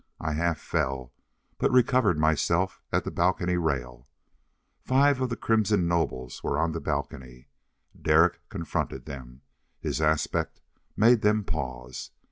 I half fell, but recovered myself at the balcony rail. Five of the crimson nobles were on the balcony. Derek confronted them. His aspect made them pause.